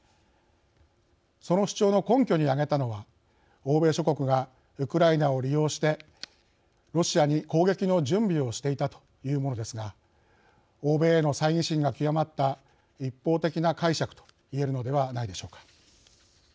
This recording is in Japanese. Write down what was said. その主張の根拠に挙げたのは欧米諸国がウクライナを利用してロシアに攻撃の準備をしていたというものですが欧米へのさいぎ心が極まった一方的な解釈と言えるのではないでしょうか。